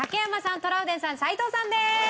トラウデンさん斉藤さんです！